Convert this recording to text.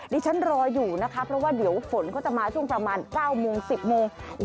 ดิฉันรออยู่นะคะเพราะว่าเดี๋ยวฝนเขาจะมาช่วงประมาณ๙โมง๑๐โมง